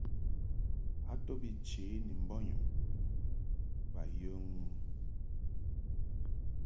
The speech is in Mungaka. A to bi chě ni mbɔnyum bo yə ŋu.